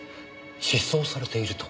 失踪されているとか。